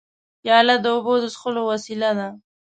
پیاله د اوبو د څښلو وسیله ده.